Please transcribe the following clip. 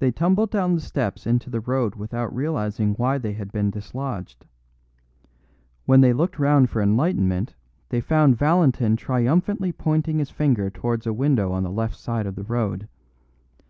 They tumbled down the steps into the road without realising why they had been dislodged; when they looked round for enlightenment they found Valentin triumphantly pointing his finger towards a window on the left side of the road.